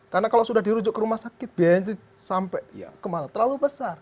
karena kalau sudah dirujuk ke rumah sakit biayanya sampai kemana terlalu besar